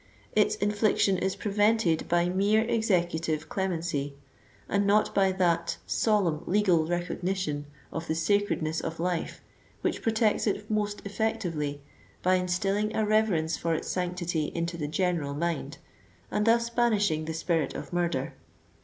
Its infliction is prevented by mere executive cle mency, and not by that solemn legal recognition of the sacred ness of life which protects it most effectively by instilling a reverence for its sanctity into the general mind, and thus banish, ing the spirit of murder.